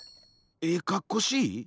ええかっこしい？